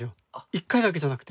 １回だけじゃなくて。